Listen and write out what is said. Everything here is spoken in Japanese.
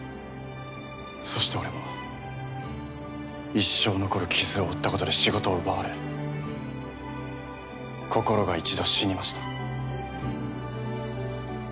そして俺も一生残る傷を負ったことで仕事を奪われ心が１度死にました。